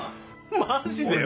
マジでよ？